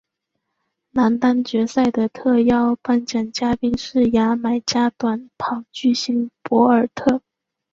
男单决赛的特邀颁奖嘉宾是牙买加短跑巨星博尔特。